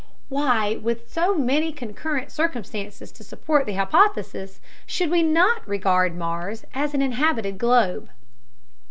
Why, with so many concurrent circumstances to support the hypothesis, should we not regard Mars as an inhabited globe?